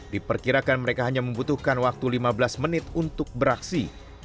diperkirakan mereka hanya membutuhkan waktu lima belas menit untuk beraksi